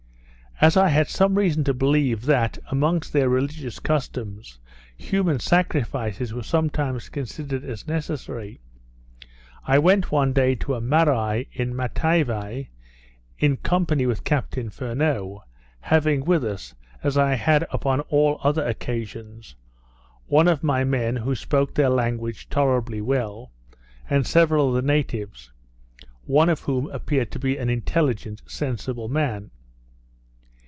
As I had some reason to believe, that amongst their religious customs, human sacrifices were sometimes considered as necessary, I went one day to a Marai in Matavai, in company with Captain Furneaux; having with us, as I had upon all other occasions, one of my men who spoke their language tolerably well, and several of the natives, one of whom appeared to be an intelligent sensible man.